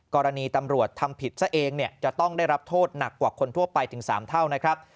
กรณีตำรวจทำผิดซะเองจะต้องได้รับโทษหนักกว่าคนทั่วไปถึง๓เท่านะครับ